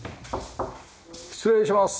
失礼します。